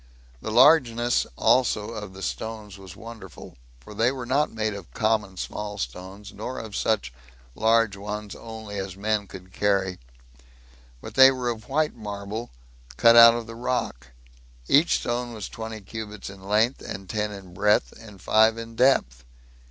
The largeness also of the stones was wonderful; for they were not made of common small stones, nor of such large ones only as men could carry, but they were of white marble, cut out of the rock; each stone was twenty cubits in length, and ten in breadth, and five in depth.